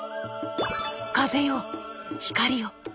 風よ光よ！